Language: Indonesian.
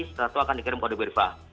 setelah itu akan dikirim kode burva